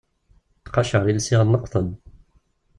Ttqacer i lsiɣ n leqṭen.